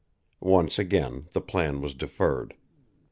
Once again the plan was deferred.